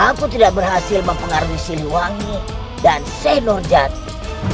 aku tidak berhasil mempengaruhi siliwangi dan senor jati